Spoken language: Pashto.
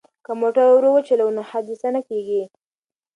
که موټر ورو وچلوو نو حادثه نه کیږي.